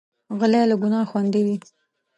غلی، له ګناه خوندي وي.